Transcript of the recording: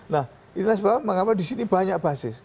nah itulah sebab mengapa disini banyak basis